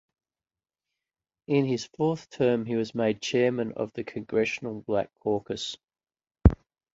In his fourth term he was made chairman of the Congressional Black Caucus.